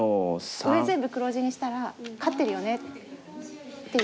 上全部黒地にしたら勝ってるよねっていう。